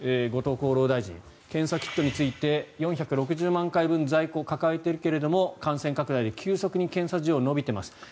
後藤厚労大臣検査キットについて４６０万回分在庫を抱えているけれど感染拡大で急速に検査需要が伸びています